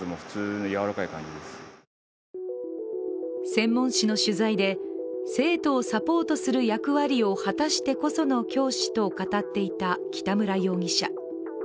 専門誌の取材で、生徒をサポートする役割を果たしてこその教師と語っていた北村容疑者。